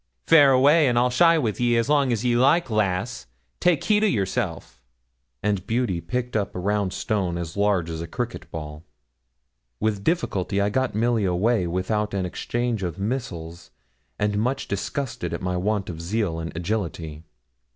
'Faire away; I'll shy wi' ye as long as ye like, lass; take heed o' yerself;' and Beauty picked up a round stone as large as a cricket ball. With difficulty I got Milly away without an exchange of missiles, and much disgusted at my want of zeal and agility.